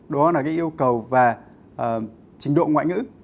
đó là cái yêu cầu về trình độ ngoại ngữ